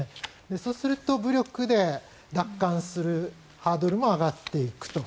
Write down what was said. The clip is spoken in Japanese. そうすると武力で奪還するハードルも上がっていくと。